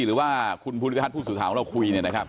หรือว่าคุณผู้ลิทรรศผู้สูตรข่าวเราคุย